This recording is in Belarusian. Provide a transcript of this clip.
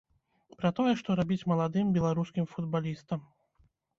Пра тое, што рабіць маладым беларускім футбалістам.